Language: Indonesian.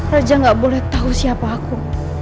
raja gak boleh tahu siapa aku